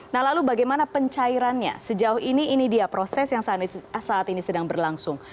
nah lalu bagaimana pencairannya sejauh ini ini dia proses yang saat ini sedang berlangsung